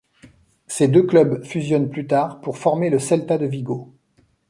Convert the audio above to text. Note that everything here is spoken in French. Ces deux clubs fusionnent plus tard pour former le Celta de Vigo.